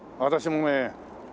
私もね